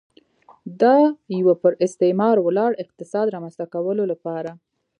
د یوه پر استثمار ولاړ اقتصاد رامنځته کولو لپاره.